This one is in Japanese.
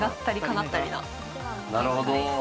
なるほど。